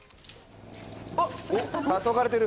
おっ、たそがれてる。